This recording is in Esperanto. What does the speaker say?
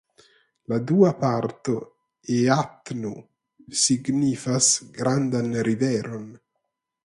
La dua parto "eatnu" signifas '(grandan) riveron'.